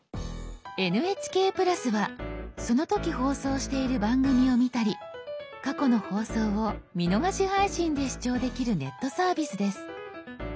「ＮＨＫプラス」はその時放送している番組を見たり過去の放送を「見逃し配信」で視聴できるネットサービスです。